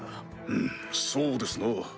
うんそうですな。